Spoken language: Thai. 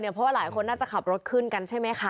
เพราะว่าหลายคนน่าจะขับรถขึ้นกันใช่ไหมคะ